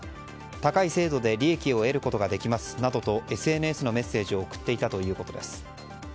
高い精度で利益を得ることができますなどとＳＮＳのメッセージを送っていたということです。